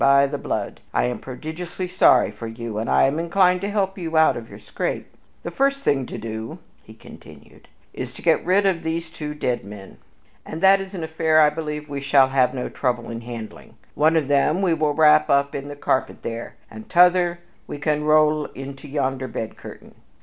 By the blood! I am prodigiously sorry for you, and am inclined to help you out of your scrape. "The first thing to do," he continued, "is to get rid of these two dead men, and that is an affair I believe we shall have no trouble in handling. One of them we will wrap up in the carpet here, and t'other we can roll into yonder bed curtain.